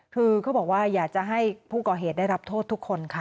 คือเขาบอกว่าอยากจะให้ผู้ก่อเหตุได้รับโทษทุกคนค่ะ